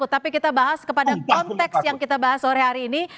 tapi kita bahas kepada konteks yang kita bahas sore hari ini